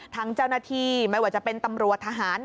ทั้งเจ้าหน้าที่ไม่ว่าจะเป็นตำรวจทหาร